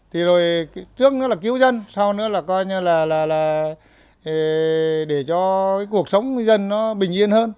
thì rồi trước nữa là cứu dân sau nữa là coi như là để cho cuộc sống người dân nó bình yên hơn